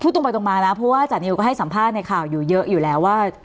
ตรงไปตรงมานะเพราะว่าจานิวก็ให้สัมภาษณ์ในข่าวอยู่เยอะอยู่แล้วว่า